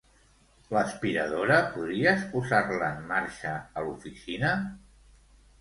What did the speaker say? L'aspiradora, podries posar-la en marxa a l'oficina?